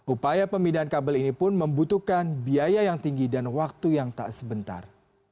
upaya pemindahan kabel ini pun membutuhkan biaya yang tinggi dan waktu yang tak sebentar